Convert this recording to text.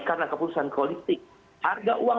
karena keputusan politik harga uang